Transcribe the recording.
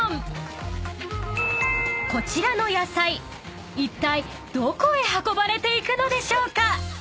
［こちらの野菜いったいどこへ運ばれていくのでしょうか？］